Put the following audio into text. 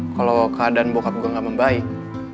kalau keadaan bokap gue gak membaik